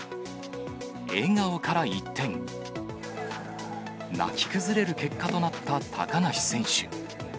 笑顔から一転、泣き崩れる結果となった高梨選手。